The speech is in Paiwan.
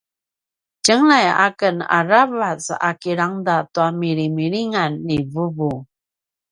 tjengelay aken aravac a kilangeda tua milimilingan ni vuvu